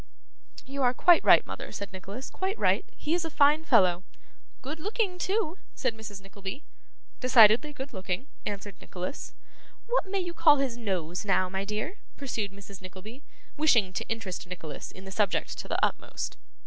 'You are quite right, mother,' said Nicholas, 'quite right. He is a fine fellow.' 'Good looking, too,' said Mrs. Nickleby. 'Decidedly good looking,' answered Nicholas. 'What may you call his nose, now, my dear?' pursued Mrs. Nickleby, wishing to interest Nicholas in the subject to the utmost.